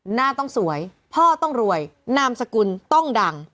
หน้าต้องสวยพ่อต้องรวยนามสกุลต้องดัง